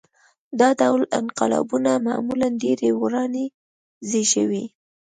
دا ډول انقلابونه معمولاً ډېرې ورانۍ زېږوي.